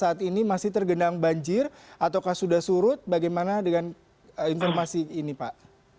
saat ini masih tergenang banjir ataukah sudah surut bagaimana dengan informasi ini pak